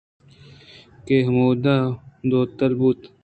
کہ آ ہمودا دوتل بُوت